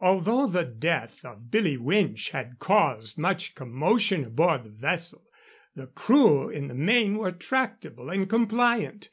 Although the death of Billy Winch had caused much commotion aboard the vessel, the crew in the main were tractable and compliant.